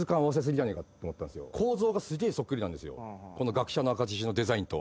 学者の証のデザインと。